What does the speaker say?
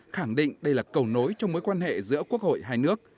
khẳng định đây là cầu nối trong mối quan hệ giữa quốc hội hai nước